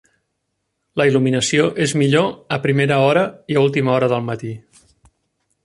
La il·luminació és millor a primera hora i a última hora del matí.